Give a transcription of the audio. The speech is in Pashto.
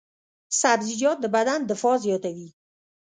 سبزیجات د بدن دفاع زیاتوي.